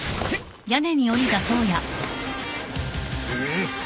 ん？